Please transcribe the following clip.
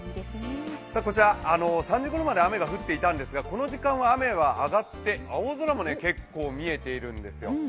こちら、３時ごろまで雨が降っていたんですが、この時間は雨はあがって青空も結構見えているんですよ。